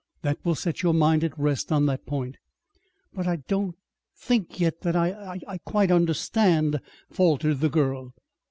That will set your mind at rest on that point." "But I I don't think yet that I I quite understand," faltered the girl.